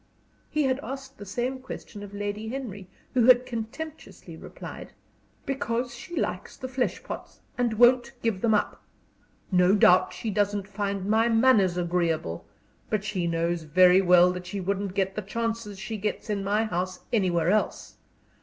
He had asked the same question of Lady Henry, who had contemptuously replied: "Because she likes the flesh pots, and won't give them up. No doubt she doesn't find my manners agreeable; but she knows very well that she wouldn't get the chances she gets in my house anywhere else.